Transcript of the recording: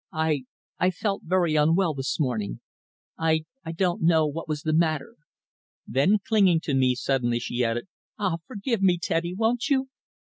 "I I felt very unwell this morning. I I don't know what was the matter." Then clinging to me suddenly, she added, "Ah! forgive me, Teddy, won't you?"